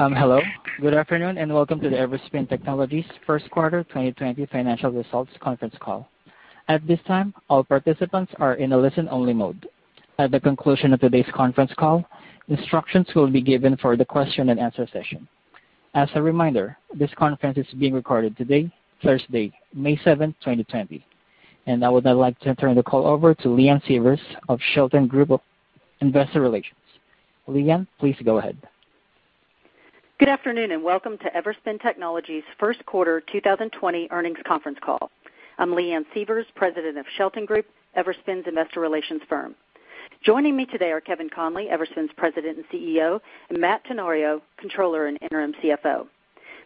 Hello. Good afternoon, welcome to the Everspin Technologies first quarter 2020 financial results conference call. At this time, all participants are in a listen-only mode. At the conclusion of today's conference call, instructions will be given for the question and answer session. As a reminder, this conference is being recorded today, Thursday, May 7, 2020. I would now like to turn the call over to Leanne Sievers of Shelton Group Investor Relations. Leanne, please go ahead. Good afternoon, and welcome to Everspin Technologies first quarter 2020 earnings conference call. I'm Leanne Sievers, President of Shelton Group, Everspin's investor relations firm. Joining me today are Kevin Conley, Everspin's President and CEO, and Matt Tenorio, Controller and Interim CFO.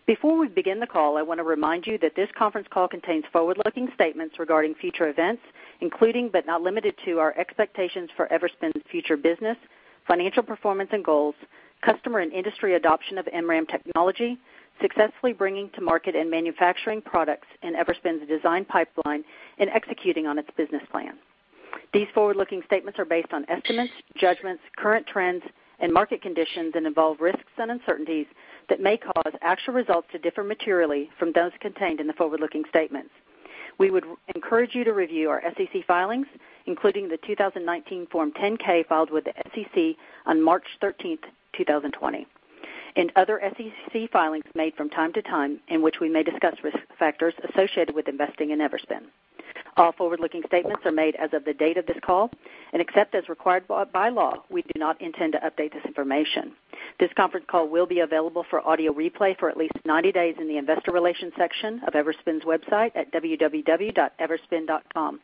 Before we begin the call, I want to remind you that this conference call contains forward-looking statements regarding future events, including, but not limited to, our expectations for Everspin's future business, financial performance and goals, customer and industry adoption of MRAM technology, successfully bringing to market and manufacturing products in Everspin's design pipeline, and executing on its business plan. These forward-looking statements are based on estimates, judgments, current trends and market conditions, and involve risks and uncertainties that may cause actual results to differ materially from those contained in the forward-looking statements. We would encourage you to review our SEC filings, including the 2019 Form 10-K filed with the SEC on March 13, 2020, and other SEC filings made from time to time in which we may discuss risk factors associated with investing in Everspin. All forward-looking statements are made as of the date of this call, and except as required by law, we do not intend to update this information. This conference call will be available for audio replay for at least 90 days in the investor relations section of Everspin's website at www.everspin.com.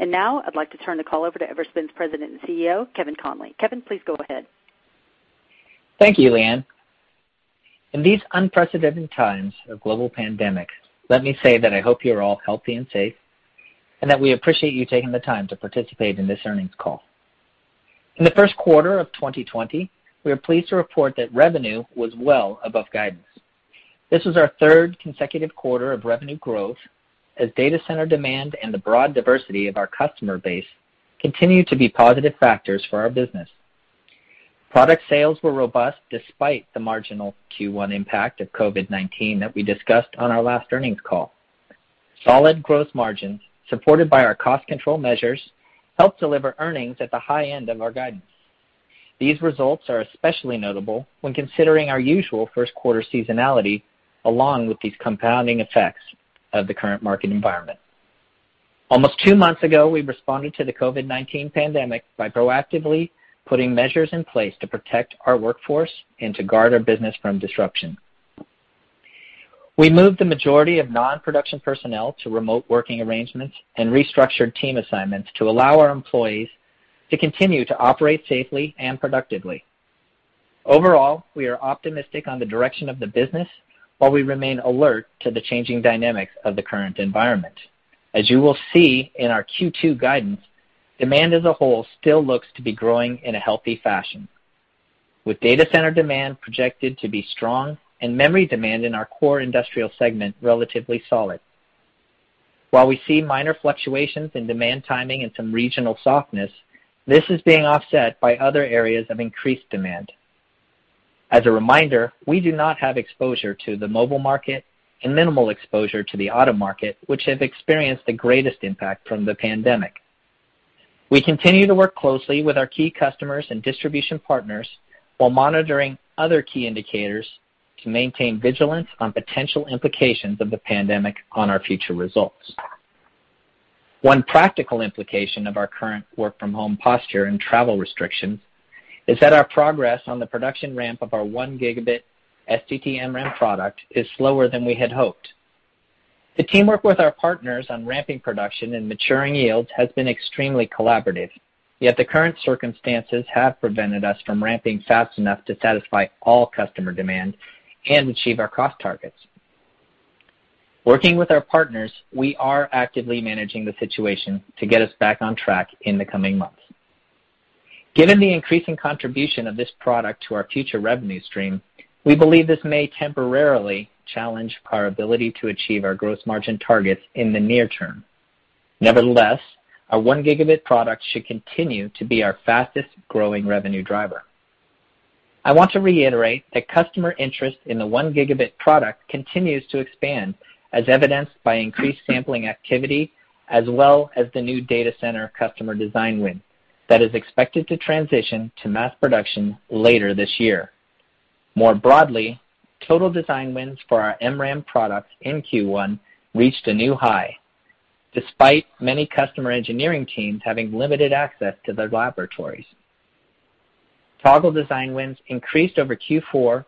Now, I'd like to turn the call over to Everspin's President and CEO, Kevin Conley. Kevin, please go ahead. Thank you, Leanne. In these unprecedented times of global pandemic, let me say that I hope you're all healthy and safe, and that we appreciate you taking the time to participate in this earnings call. In the first quarter of 2020, we are pleased to report that revenue was well above guidance. This was our third consecutive quarter of revenue growth as data center demand and the broad diversity of our customer base continue to be positive factors for our business. Product sales were robust despite the marginal Q1 impact of COVID-19 that we discussed on our last earnings call. Solid gross margins, supported by our cost control measures, helped deliver earnings at the high end of our guidance. These results are especially notable when considering our usual first quarter seasonality, along with these compounding effects of the current market environment. Almost two months ago, we responded to the COVID-19 pandemic by proactively putting measures in place to protect our workforce and to guard our business from disruption. We moved the majority of non-production personnel to remote working arrangements and restructured team assignments to allow our employees to continue to operate safely and productively. Overall, we are optimistic on the direction of the business while we remain alert to the changing dynamics of the current environment. As you will see in our Q2 guidance, demand as a whole still looks to be growing in a healthy fashion, with data center demand projected to be strong and memory demand in our core industrial segment relatively solid. While we see minor fluctuations in demand timing and some regional softness, this is being offset by other areas of increased demand. As a reminder, we do not have exposure to the mobile market and minimal exposure to the auto market, which have experienced the greatest impact from the pandemic. We continue to work closely with our key customers and distribution partners while monitoring other key indicators to maintain vigilance on potential implications of the pandemic on our future results. One practical implication of our current work from home posture and travel restrictions is that our progress on the production ramp of our 1-Gigabit STT-MRAM product is slower than we had hoped. The teamwork with our partners on ramping production and maturing yields has been extremely collaborative, yet the current circumstances have prevented us from ramping fast enough to satisfy all customer demand and achieve our cost targets. Working with our partners, we are actively managing the situation to get us back on track in the coming months. Given the increasing contribution of this product to our future revenue stream, we believe this may temporarily challenge our ability to achieve our gross margin targets in the near term. Nevertheless, our 1-Gigabit product should continue to be our fastest growing revenue driver. I want to reiterate that customer interest in the 1-Gigabit product continues to expand, as evidenced by increased sampling activity as well as the new data center customer design win that is expected to transition to mass production later this year. More broadly, total design wins for our MRAM products in Q1 reached a new high, despite many customer engineering teams having limited access to their laboratories. Toggle design wins increased over Q4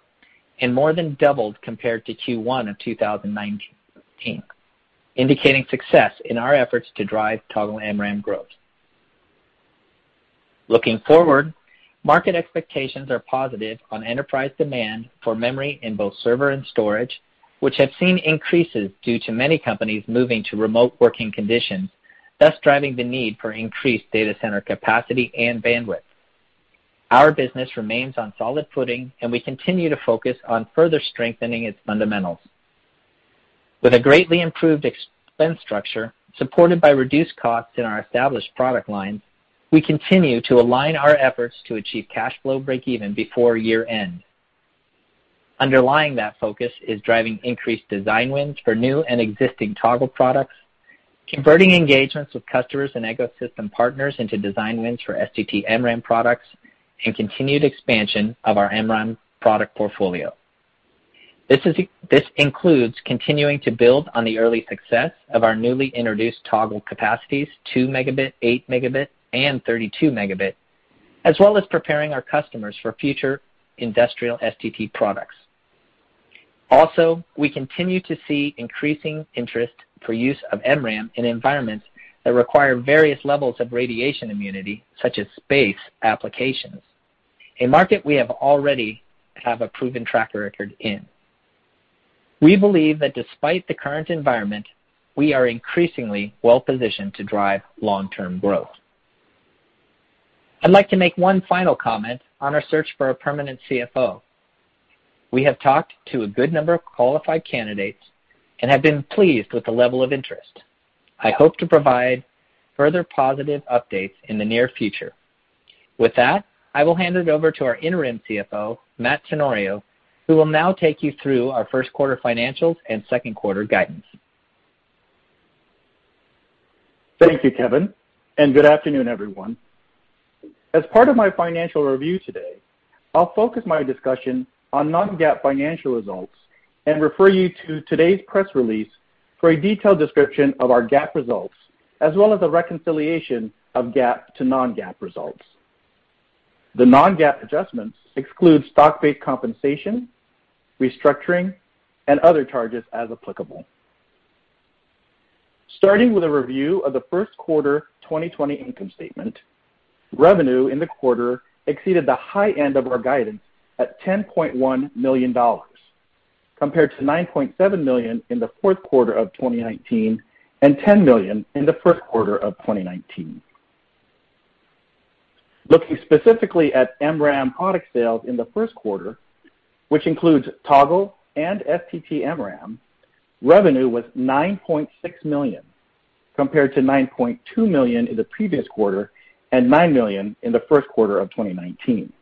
and more than doubled compared to Q1 of 2019, indicating success in our efforts to drive Toggle MRAM growth. Looking forward, market expectations are positive on enterprise demand for memory in both server and storage, which have seen increases due to many companies moving to remote working conditions, thus driving the need for increased data center capacity and bandwidth. Our business remains on solid footing, and we continue to focus on further strengthening its fundamentals. With a greatly improved expense structure supported by reduced costs in our established product lines, we continue to align our efforts to achieve cash flow breakeven before year-end. Underlying that focus is driving increased design wins for new and existing Toggle products, converting engagements with customers and ecosystem partners into design wins for STT-MRAM products, and continued expansion of our MRAM product portfolio. This includes continuing to build on the early success of our newly introduced Toggle capacities, 2 megabit, 8 megabit, and 32 megabit, as well as preparing our customers for future industrial STT products. Also, we continue to see increasing interest for use of MRAM in environments that require various levels of radiation immunity, such as space applications, a market we already have a proven track record in. We believe that despite the current environment, we are increasingly well-positioned to drive long-term growth. I'd like to make one final comment on our search for a permanent CFO. We have talked to a good number of qualified candidates and have been pleased with the level of interest. I hope to provide further positive updates in the near future. With that, I will hand it over to our interim CFO, Matt Tenorio, who will now take you through our first quarter financials and second-quarter guidance. Thank you, Kevin, and good afternoon, everyone. As part of my financial review today, I'll focus my discussion on non-GAAP financial results and refer you to today's press release for a detailed description of our GAAP results, as well as a reconciliation of GAAP to non-GAAP results. The non-GAAP adjustments exclude stock-based compensation, restructuring, and other charges as applicable. Starting with a review of the first quarter 2020 income statement, revenue in the quarter exceeded the high end of our guidance at $10.1 million, compared to $9.7 million in the fourth quarter of 2019 and $10 million in the first quarter of 2019. Looking specifically at MRAM product sales in the first quarter, which includes Toggle and STT-MRAM, revenue was $9.6 million, compared to $9.2 million in the previous quarter and $9 million in the first quarter of 2019.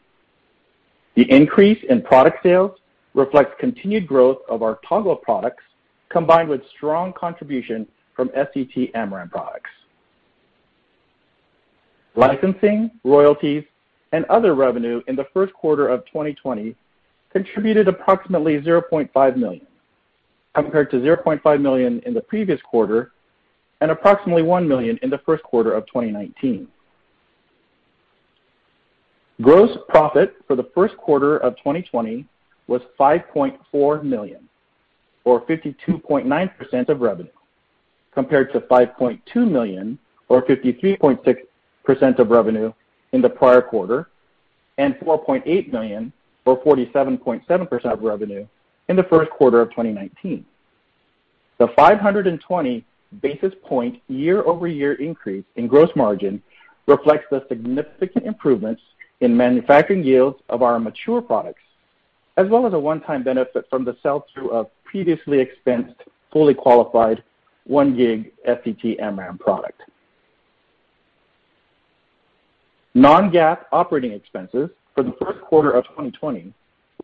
The increase in product sales reflects continued growth of our Toggle products, combined with strong contribution from STT-MRAM products. Licensing, royalties, and other revenue in the first quarter of 2020 contributed approximately $0.5 million, compared to $0.5 million in the previous quarter and approximately $1 million in the first quarter of 2019. Gross profit for the first quarter of 2020 was $5.4 million, or 52.9% of revenue, compared to $5.2 million, or 53.6% of revenue in the prior quarter, and $4.8 million, or 47.7% of revenue, in the first quarter of 2019. The 520 basis point year-over-year increase in gross margin reflects the significant improvements in manufacturing yields of our mature products, as well as a one-time benefit from the sell-through of previously expensed, fully qualified one gig STT-MRAM product. Non-GAAP operating expenses for the first quarter of 2020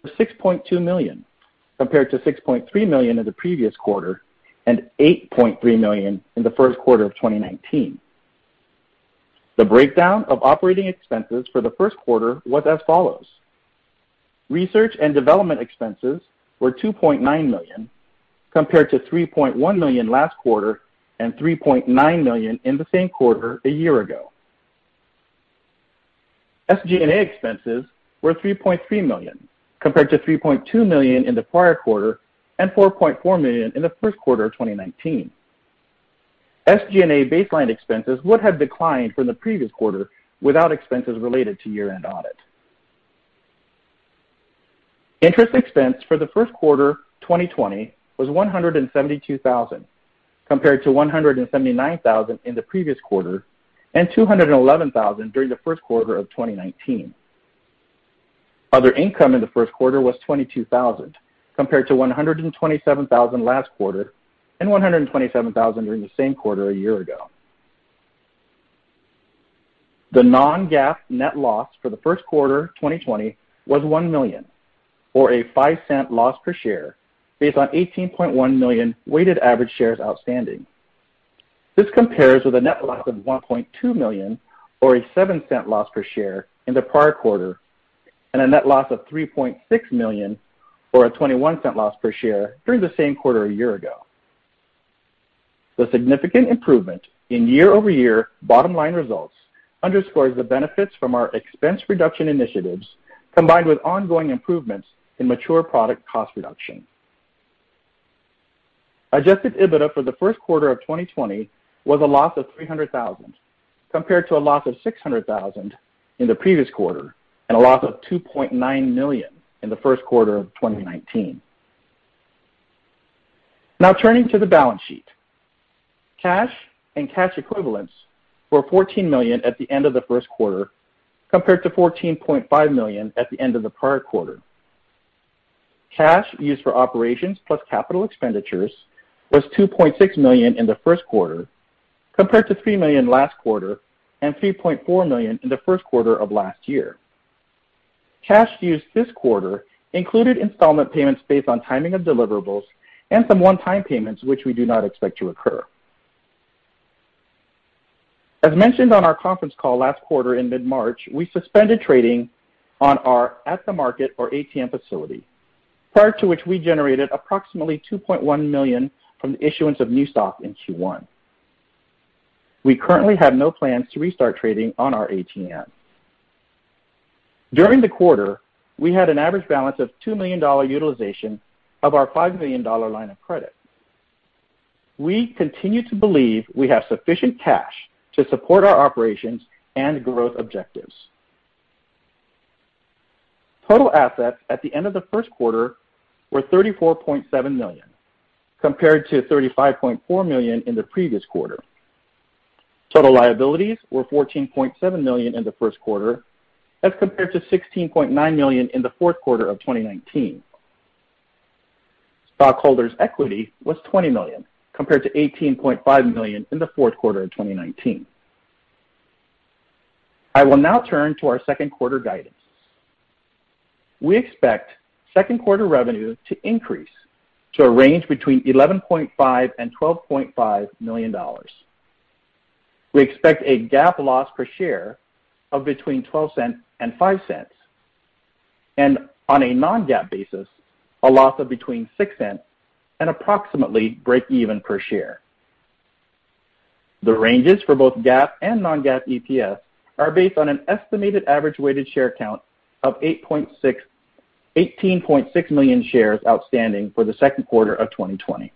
were $6.2 million, compared to $6.3 million in the previous quarter and $8.3 million in the first quarter of 2019. The breakdown of operating expenses for the first quarter was as follows. Research and development expenses were $2.9 million, compared to $3.1 million last quarter and $3.9 million in the same quarter a year ago. SG&A expenses were $3.3 million, compared to $3.2 million in the prior quarter and $4.4 million in the first quarter of 2019. SG&A baseline expenses would have declined from the previous quarter without expenses related to year-end audit. Interest expense for the first quarter 2020 was $172,000, compared to $179,000 in the previous quarter and $211,000 during the first quarter of 2019. Other income in the first quarter was $22,000, compared to $127,000 last quarter and $127,000 during the same quarter a year ago. The non-GAAP net loss for the first quarter 2020 was $1 million, or a $0.05 loss per share, based on 18.1 million weighted average shares outstanding. This compares with a net loss of $1.2 million, or a $0.07 loss per share, in the prior quarter, and a net loss of $3.6 million, or a $0.21 loss per share, during the same quarter a year ago. The significant improvement in year-over-year bottom-line results underscores the benefits from our expense reduction initiatives, combined with ongoing improvements in mature product cost reduction. Adjusted EBITDA for the first quarter of 2020 was a loss of $300,000, compared to a loss of $600,000 in the previous quarter and a loss of $2.9 million in the first quarter of 2019. Now turning to the balance sheet. Cash and cash equivalents were $14 million at the end of the first quarter, compared to $14.5 million at the end of the prior quarter. Cash used for operations plus capital expenditures was $2.6 million in the first quarter, compared to $3 million last quarter and $3.4 million in the first quarter of last year. Cash used this quarter included installment payments based on timing of deliverables and some one-time payments, which we do not expect to occur. As mentioned on our conference call last quarter in mid-March, we suspended trading on our at-the-market or ATM facility, prior to which we generated approximately $2.1 million from the issuance of new stock in Q1. We currently have no plans to restart trading on our ATM. During the quarter, we had an average balance of $2 million utilization of our $5 million line of credit. We continue to believe we have sufficient cash to support our operations and growth objectives. Total assets at the end of the first quarter were $34.7 million, compared to $35.4 million in the previous quarter. Total liabilities were $14.7 million in the first quarter as compared to $16.9 million in the fourth quarter of 2019. Stockholders' equity was $20 million, compared to $18.5 million in the fourth quarter of 2019. I will now turn to our second quarter guidance. We expect second quarter revenue to increase to a range between $11.5 million and $12.5 million. We expect a GAAP loss per share of between $0.12 and $0.05. On a non-GAAP basis, a loss of between $0.06 and approximately breakeven per share. The ranges for both GAAP and non-GAAP EPS are based on an estimated average weighted share count of 18.6 million shares outstanding for the second quarter of 2020.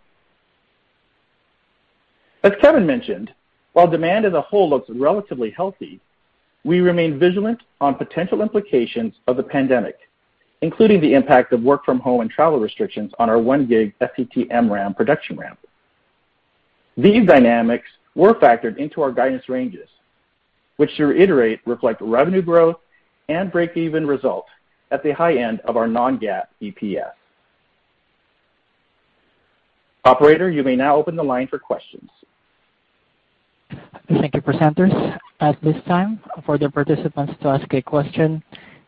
As Kevin mentioned, while demand as a whole looks relatively healthy, we remain vigilant on potential implications of the pandemic, including the impact of work from home and travel restrictions on our one gig STT-MRAM production ramp. These dynamics were factored into our guidance ranges, which to reiterate, reflect revenue growth and breakeven result at the high end of our non-GAAP EPS. Operator, you may now open the line for questions. Thank you, presenters. At this time, for the participants to ask a question,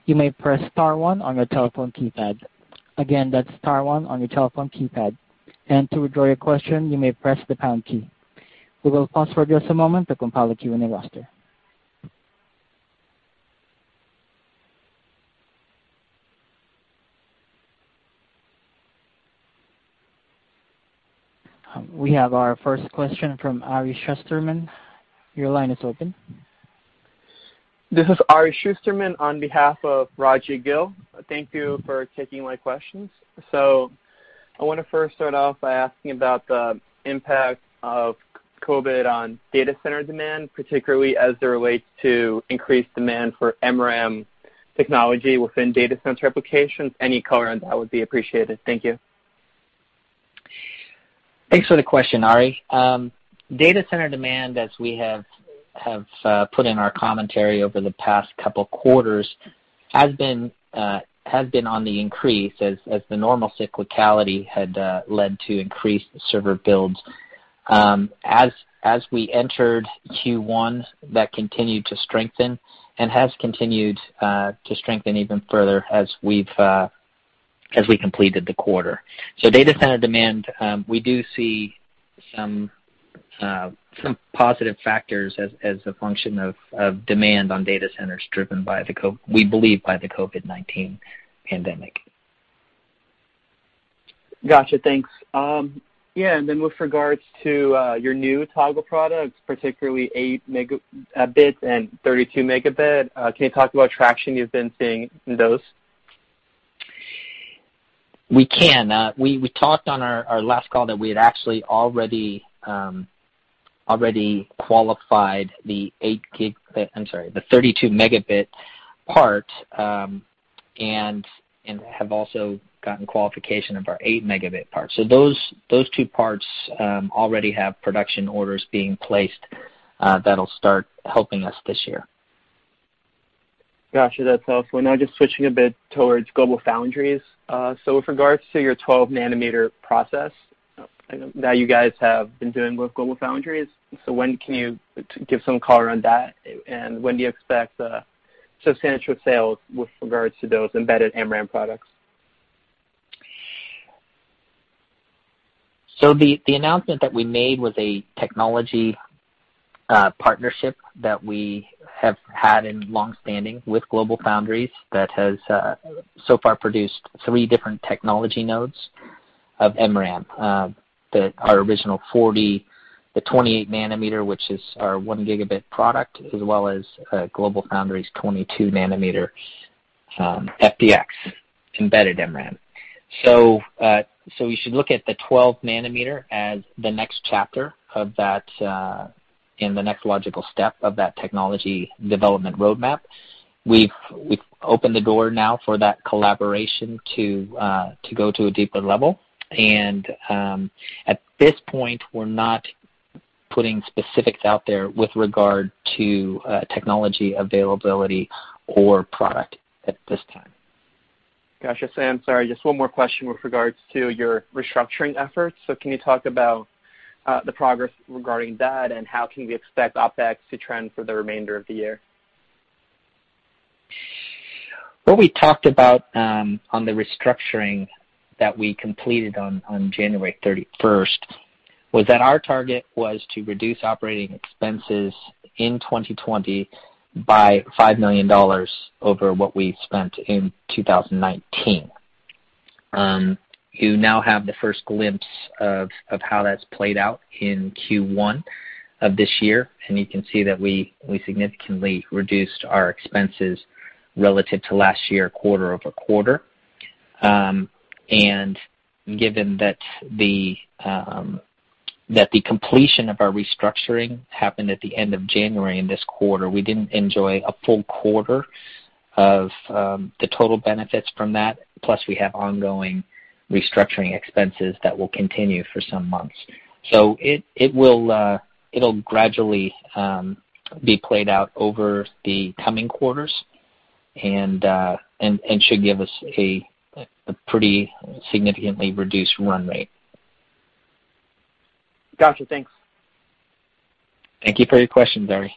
you may press star one on your telephone keypad. Again, that's star one on your telephone keypad. To withdraw your question, you may press the pound key. We will pause for just a moment to compile a Q&A roster. We have our first question from Ari Shusterman. Your line is open. This is Ari Shusterman on behalf of Rajvindra Gill. Thank you for taking my questions. I want to first start off by asking about the impact of COVID on data center demand, particularly as it relates to increased demand for MRAM technology within data center applications. Any color on that would be appreciated. Thank you. Thanks for the question, Ari. Data center demand, as we have put in our commentary over the past couple of quarters, has been on the increase as the normal cyclicality had led to increased server builds. As we entered Q1, that continued to strengthen and has continued to strengthen even further as we completed the quarter. Data center demand, we do see some positive factors as a function of demand on data centers driven, we believe, by the COVID-19 pandemic. Got you. Thanks. Yeah, with regards to your new Toggle products, particularly 8 Mb and 32 Mb, can you talk about traction you've been seeing in those? We can. We talked on our last call that we had actually already qualified the 32 Mb part, and have also gotten qualification of our 8 Mb part. Those two parts already have production orders being placed that'll start helping us this year. Got you. That's helpful. Now just switching a bit towards GlobalFoundries. With regards to your 12FDX process that you guys have been doing with GlobalFoundries, when can you give some color on that? When do you expect substantial sales with regards to those embedded MRAM products? The announcement that we made was a technology partnership that we have had in longstanding with GlobalFoundries that has so far produced three different technology nodes of MRAM, our original 40, the 28 nanometer, which is our 1 gigabit product, as well as GlobalFoundries' 22 nanometer FDX embedded MRAM. You should look at the 12 nanometer as the next chapter and the next logical step of that technology development roadmap. We've opened the door now for that collaboration to go to a deeper level. At this point, we're not putting specifics out there with regard to technology availability or product at this time. Got you. Sam, sorry, just one more question with regards to your restructuring efforts. Can you talk about the progress regarding that and how can we expect OpEx to trend for the remainder of the year? What we talked about on the restructuring that we completed on January 31st was that our target was to reduce operating expenses in 2020 by $5 million over what we spent in 2019. You now have the first glimpse of how that's played out in Q1 of this year, you can see that we significantly reduced our expenses relative to last year quarter-over-quarter. Given that the completion of our restructuring happened at the end of January in this quarter, we didn't enjoy a full quarter of the total benefits from that. Plus, we have ongoing restructuring expenses that will continue for some months. It'll gradually be played out over the coming quarters and should give us a pretty significantly reduced run rate. Got you. Thanks. Thank you for your question, Ari.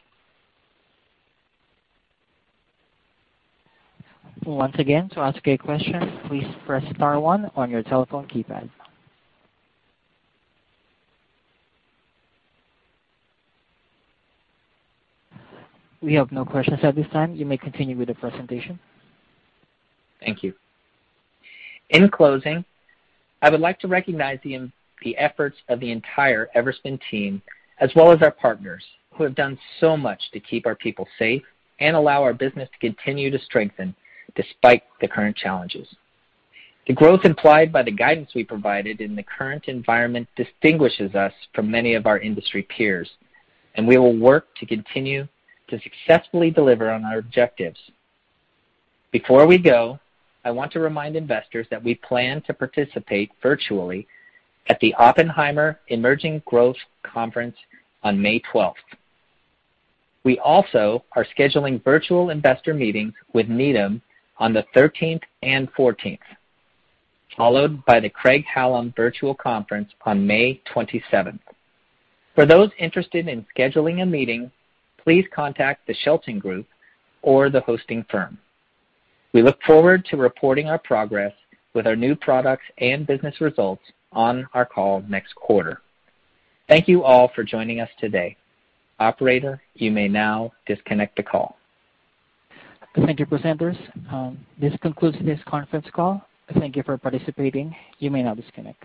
Once again, to ask a question, please press star one on your telephone keypad. We have no questions at this time. You may continue with the presentation. Thank you. In closing, I would like to recognize the efforts of the entire Everspin team, as well as our partners, who have done so much to keep our people safe and allow our business to continue to strengthen despite the current challenges. The growth implied by the guidance we provided in the current environment distinguishes us from many of our industry peers. We will work to continue to successfully deliver on our objectives. Before we go, I want to remind investors that we plan to participate virtually at the Oppenheimer Emerging Growth Conference on May 12th. We also are scheduling virtual investor meetings with Needham on the 13th and 14th, followed by the Craig-Hallum Virtual Conference on May 27th. For those interested in scheduling a meeting, please contact the Shelton Group or the hosting firm. We look forward to reporting our progress with our new products and business results on our call next quarter. Thank you all for joining us today. Operator, you may now disconnect the call. Thank you, presenters. This concludes this conference call. Thank you for participating. You may now disconnect.